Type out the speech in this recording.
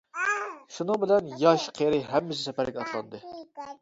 شۇنىڭ بىلەن ياش-قېرى ھەممىسى سەپەرگە ئاتلاندى.